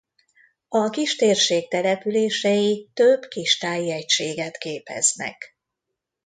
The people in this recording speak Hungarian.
A kistérség települései több kistáji egységet képeznek.